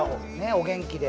お元気で。